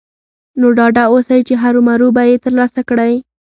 نو ډاډه اوسئ چې هرو مرو به يې ترلاسه کړئ.